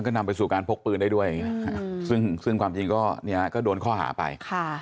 ก็นำไปสู่การพกปืนได้ด้วยซึ่งความจริงก็เนี่ยก็โดนข้อหาไป